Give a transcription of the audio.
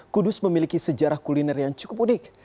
kudus memiliki sejarah kuliner yang cukup unik